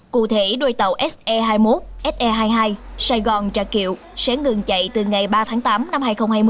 cụ thể đôi tàu se hai mươi một se hai mươi hai sài gòn trà kiệu sẽ ngừng chạy từ ngày ba tháng tám năm hai nghìn hai mươi